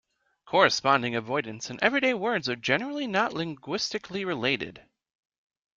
Corresponding avoidance and everyday words are generally not linguistically related.